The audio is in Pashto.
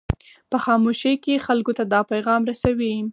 په خاموشۍ کې خلکو ته دا پیغام رسوي.